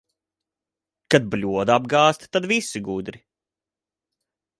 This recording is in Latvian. Kad bļoda apgāzta, tad visi gudri.